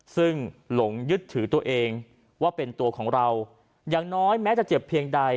ซึ่งหลงยึดถือตัวเองว่าเป็นตัวของเราอย่างน้อยแม้จะเจ็บเพียงใด